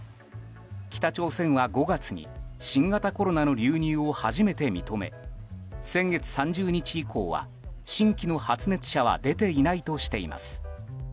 北朝鮮は５月に新型コロナの流入を初めて認め先月３０日以降は新規の発熱者は出ていないとしています。